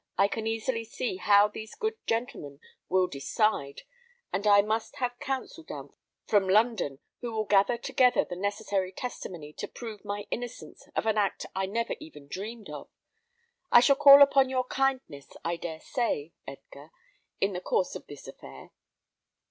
I can easily see how these good gentlemen will decide, and I must have counsel down from London, who will gather together the necessary testimony to prove my innocence of an act I never even dreamed of. I shall call upon your kindness, I dare say, Edgar, in the course of this affair."